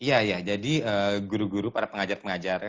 iya iya jadi guru guru para pengajar pengajar